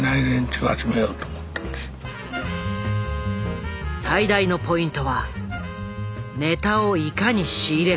最大のポイントはネタをいかに仕入れるか。